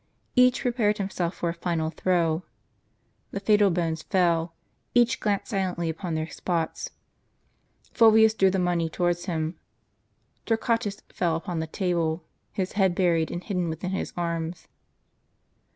Each prepared himself for a final throw. The fatal bones fell ; each glanced silently upon their spots. Fulvius drew the money towards himself. Torquatus fell upon the table, his head buried and hidden within his arms.